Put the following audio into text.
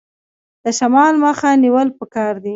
د شمال مخه نیول پکار دي؟